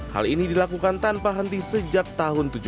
hal ini dilakukan tanpa henti sejak tahun tujuh puluh an